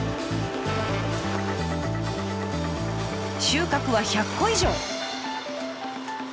収穫は１００個以上。